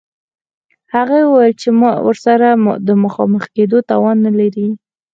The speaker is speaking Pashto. هغې وویل چې ورسره د مخامخ کېدو توان نلري